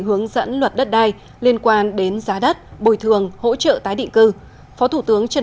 hướng dẫn luật đất đai liên quan đến giá đất bồi thường hỗ trợ tái định cư phó thủ tướng trần